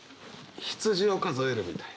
羊を数えるみたいな。